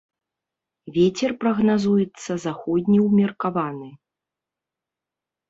Вецер прагназуецца заходні ўмеркаваны.